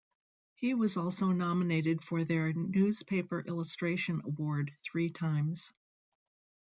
He was also nominated for their Newspaper Illustration Award three times.